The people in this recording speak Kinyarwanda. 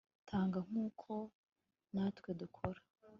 Tanga nkuko natwe dukora